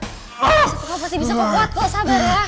satu kali pasti bisa kuat kok sabar ya